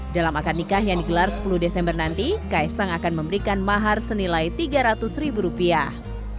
dalam akad nikah yang digelar sepuluh desember nanti kaisang akan memberikan mahar senilai tiga ratus ribu rupiah